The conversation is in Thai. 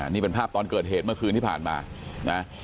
นี่เป็นภาพตอนเกิดเหตุเมื่อคืนที่ผ่านมานะ